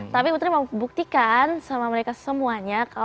tapi putri mau buktikan sama mereka semuanya